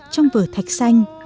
trong vở thạch xanh